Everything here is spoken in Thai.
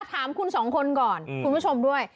ถามคุณสองคนก่อนคุณผู้ชมด้วย